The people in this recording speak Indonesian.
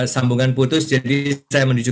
sambungan putus jadi saya menuju